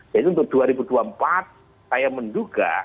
jadi untuk dua ribu dua puluh empat saya menduga